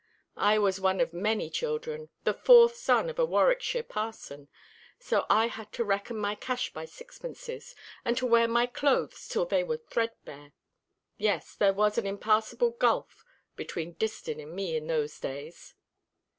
I was one of many children the fourth son of a Warwickshire parson; so I had to reckon my cash by sixpences, and to wear my clothes till they were threadbare. Yes, there was an impassable gulf between Distin and me in those days."